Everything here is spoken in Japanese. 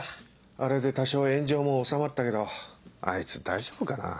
あれで多少炎上も収まったけどあいつ大丈夫かな？